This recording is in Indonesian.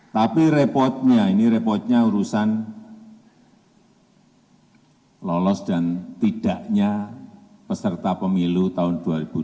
tapi repotnya ini repotnya urusan lolos dan tidaknya peserta pemilu tahun dua ribu dua puluh